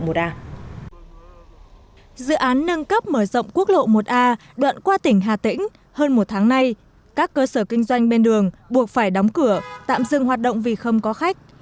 trong quá trình thực hiện dự án nâng cấp mở rộng tuyến quốc lộ một a đoạn qua thành phố hà tĩnh tỉnh hà tĩnh hơn một tháng nay các cơ sở kinh doanh bên đường buộc phải đóng cửa tạm dừng hoạt động vì không có khách